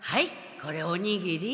これおにぎり。